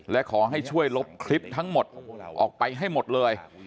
และขอให้ช่วยลบคลิปทั้งหมดออกไปให้หมดเลย